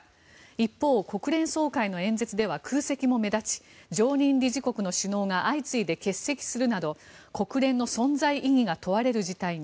一方、国連総会の演説では空席も目立ち常任理事国の首脳が相次いで欠席するなど国連の存在意義が問われる事態に。